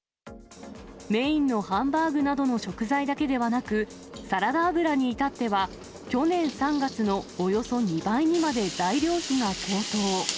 メインのハンバーグなどの食材だけではなく、サラダ油に至っては、去年３月のおよそ２倍にまで材料費が高騰。